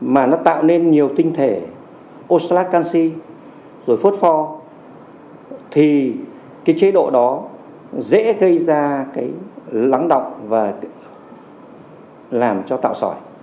mà nó tạo nên nhiều tinh thể osalat canxi rồi phốt pho thì cái chế độ đó dễ gây ra cái lắng động và làm cho tạo sỏi